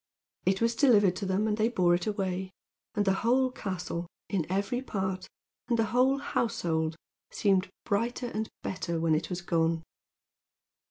It was delivered to them, and they bore it away; and the whole castle, in every part, and the whole household, seemed brighter and better when it was gone.